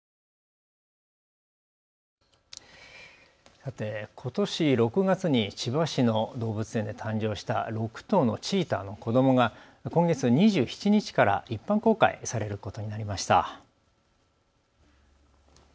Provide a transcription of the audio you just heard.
さて、ことし６月に千葉市の動物園で誕生した６頭のチーターの子どもが今月２７日から一般公開されることになりました。